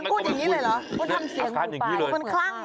มันทำเสียงหมูป่ามันคลั่งเนอะ